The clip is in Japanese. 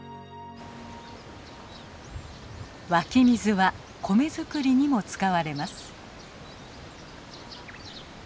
湧き水は米作りにも使われます。